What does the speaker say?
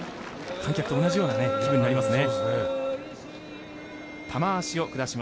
観客と同じような気分になりますね。